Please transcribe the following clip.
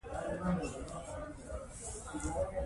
ژبې د افغانستان د هیوادوالو لپاره ویاړ دی.